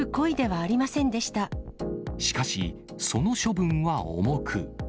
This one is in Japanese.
しかし、その処分は重く。